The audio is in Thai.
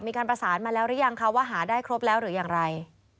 มีการประสานมาแล้วหรือยังคะว่าหาได้ครบแล้วหรืออย่างไร